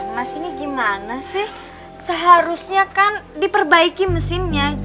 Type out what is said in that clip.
mas ini gimana sih seharusnya kan diperbaiki mesinnya